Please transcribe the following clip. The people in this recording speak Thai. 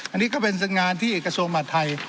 อันนี้ก็เป็นงานที่กระทรวงมหาดไทย